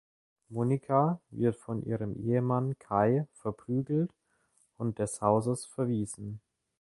Monika wird von ihrem Ehemann Kai verprügelt und des Hauses verwiesen.